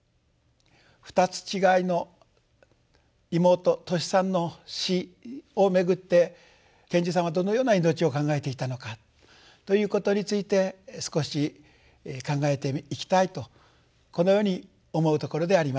２つ違いの妹トシさんの死をめぐって賢治さんはどのような命を考えていたのかということについて少し考えていきたいとこのように思うところであります。